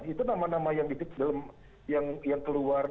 itu nama nama yang keluar